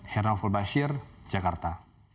hernan fulbasir jakarta